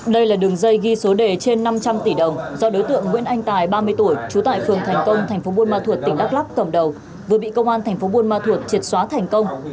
đây là đường dây ghi số đề trên năm trăm linh tỷ đồng do đối tượng nguyễn anh tài ba mươi tuổi trú tại phường thành công thành phố buôn ma thuột tỉnh đắk lắk cầm đầu vừa bị công an thành phố buôn ma thuột triệt xóa thành công